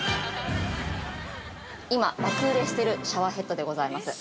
◆今爆売れしてるシャワーヘッドでございます。